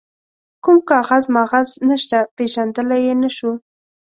کوم کاغذ ماغذ نشته، پيژندلای يې نه شو.